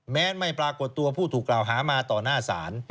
ไม่ปรากฏตัวผู้ถูกกล่าวหามาต่อหน้าศาล